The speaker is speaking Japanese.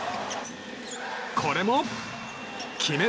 これも決める！